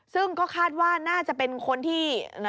ซึ่งก็คาดว่าน่าจะเป็นคนที่